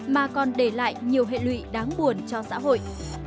mà còn để lại nhiều hệ lụy đáng buồn cho xã hội